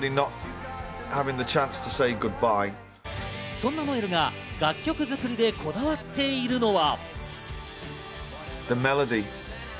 そんなノエルが楽曲作りでこだわっているのは。